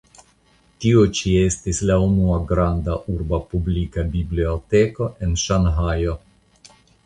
Tio ĉi estis la unua granda urba publika biblioteko en Ŝanhajo.